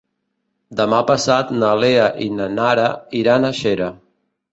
Demà passat na Lea i na Nara iran a Xera.